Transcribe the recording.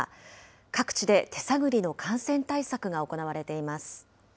各地で手探りの感染対策が行われています。